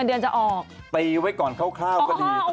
เดือนจะออกตีไว้ก่อนคร่าวก็ดี